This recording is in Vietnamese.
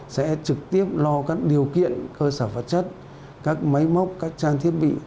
sẽ trực tiếp lo các điều kiện cơ sở vật chất các máy móc các trang thiết bị